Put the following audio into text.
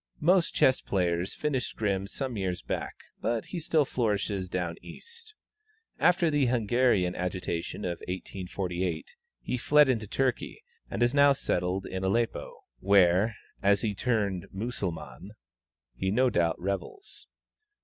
Most chess players finished Grimm some years back, but he still flourishes "down East." After the Hungarian agitation of 1848, he fled into Turkey, and is now settled in Aleppo, where, as he turned Mussulman, he no doubt revels.